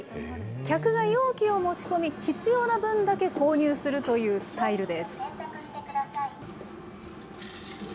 客が容器を持ち込み、必要な分だけ購入するというスタイルです。